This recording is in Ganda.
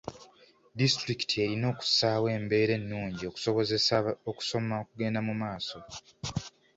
Disitulikiti erina okussaawo embeera ennungi okusobozesa okusoma okugenda mu maaso.